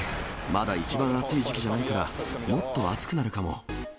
まだ一番暑い時期じゃないから、もっと暑くなるかも。